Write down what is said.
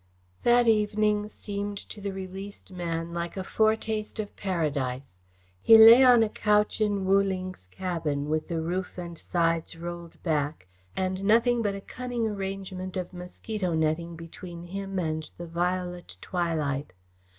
That evening seemed to the released man like a foretaste of paradise. He lay on a couch in Wu Ling's cabin, with the roof and sides rolled back and nothing but a cunning arrangement of mosquito netting between him and the violet twilight.